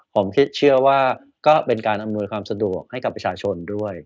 ผมเชื่อว่าก็เป็นการอำนวยความสะดวกให้กับประชาชนด้วย